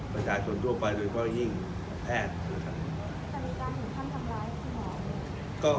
ประสาทส่วนทั่วไปโดยก็ยิ่งแพทย์นะครับ